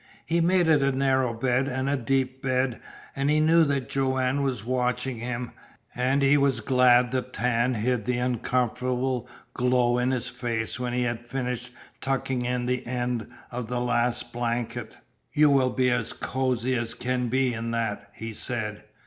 He made it a narrow bed, and a deep bed, and he knew that Joanne was watching him, and he was glad the tan hid the uncomfortable glow in his face when he had finished tucking in the end of the last blanket. "You will be as cozy as can be in that," he said.